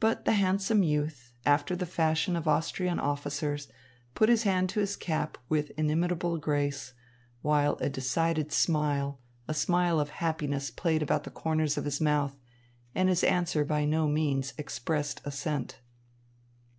But the handsome youth, after the fashion of Austrian officers, put his hand to his cap with inimitable grace, while a decided smile, a smile of happiness, played about the corners of his mouth, and his answer by no means expressed assent.